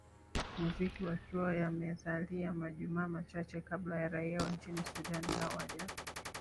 muziki yakiwa yamezalia majumaa machache kabla ya raia wa nchini sudan hawaja